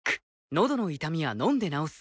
のどの痛みは飲んで治す。